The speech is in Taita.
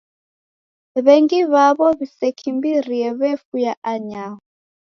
W'engi w'aw'o w'isekimbirie w'efuya anyaho.